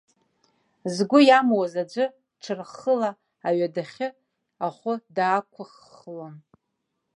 Згәы иамуаз аӡәы ҽырххыла аҩадахьы ахәы даақәыххлон.